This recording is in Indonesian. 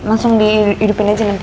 langsung dihidupin aja nanti